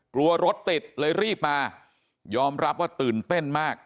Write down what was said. รถติดเลยรีบมายอมรับว่าตื่นเต้นมาก